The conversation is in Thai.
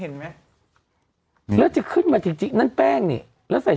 ชีวิตจะพังน่ะคางว่าที่ทริกนั่นเป้งเนี้ย